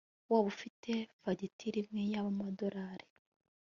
waba ufite fagitire imwe y'amadolari